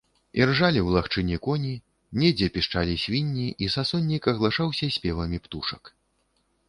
Іржалі ў лагчыне коні, недзе пішчалі свінні, і сасоннік агалашаўся спевамі птушак.